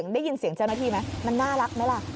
ได้ยินเสียงเจ้าหน้าที่ไหมมันน่ารักไหมล่ะ